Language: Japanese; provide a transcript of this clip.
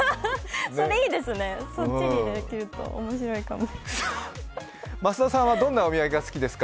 それいいですね、そっちにいっていただけると面白いかも。